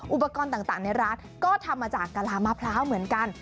อุปกรณ์ต่างในร้านก็ทำมาจากกะลามะพร้าวเหมือนกัน